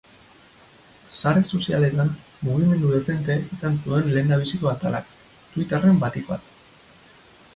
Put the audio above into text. Sare sozialetan mugimendu dezente izan zuen lehendabiziko atalak, twitterren batik bat.